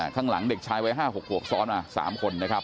ข้างหลังเด็กชายวัย๕๖ขวบซ้อนมา๓คนนะครับ